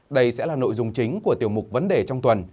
đây sẽ là nội dung chính của tiểu mục vấn đề trong tuần